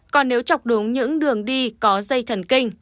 còn nếu chọc đúng những đường đi có dây thần kinh